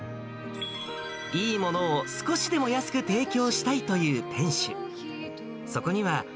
いいものを少しでも安く提供したいという店主。